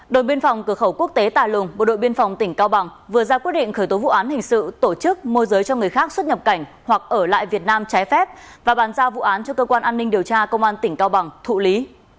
đội biên phòng cửa khẩu quốc tế tà lùng bộ đội biên phòng tỉnh cao bằng vừa ra quyết định khởi tố vụ án hình sự tổ chức môi giới cho người khác xuất nhập cảnh hoặc ở lại việt nam trái phép và bàn giao vụ án cho cơ quan an ninh điều tra công an tỉnh cao bằng thụ lý